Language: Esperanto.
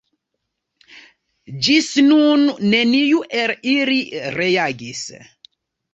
Ĝis nun neniu el ili reagis.